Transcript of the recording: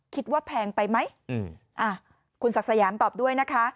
แพงไปไหมคุณศักดิ์สยามตอบด้วยนะคะ